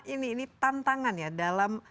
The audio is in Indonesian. ini ini tantangan ya dalam